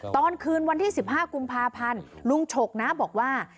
ตอนคืนวันที่๑๕กุมภาพันธ์ลุงฉกนะบอกว่า